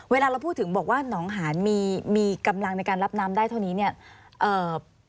เวลาเราพูดถึงบอกว่าหนองหานมีกำลังในการรับน้ำได้เท่านี้เนี่ย